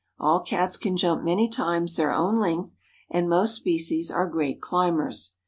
All Cats can jump many times their own length, and most species are great climbers.